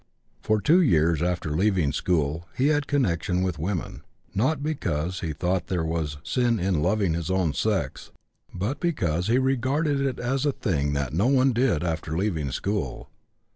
For two years after leaving school he had connection with women, not because he thought there was sin in loving his own sex, but because he regarded it as a thing that no one did after leaving school.